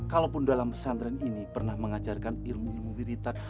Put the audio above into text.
kalaupun dalam pesantren ini pernah mengajarkan ilmu ilmu viritas